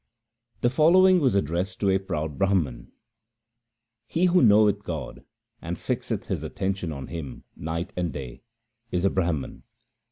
The following was addressed to a proud Brahman :— He who knoweth God and fixeth his attention on Him night and day is a Brahman.